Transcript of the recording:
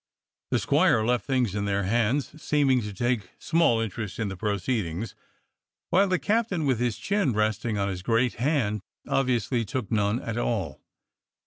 The squire left things in their hands, seeming to take small interest in the pro ceedings, while the captain, with his chin resting on his great hand, obviously took none at all.